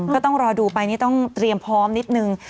ก็ต้องรอดูไปนี่ต้องเตรียมพร้อมนิดนึง